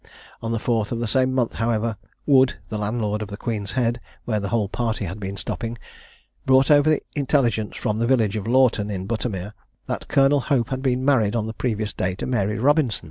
On the 4th of the same month, however, Wood, the landlord of the Queen's Head, where the whole party had been stopping, brought over intelligence from the village of Lorton, in Buttermere, that Colonel Hope had been married on the previous day to Mary Robinson.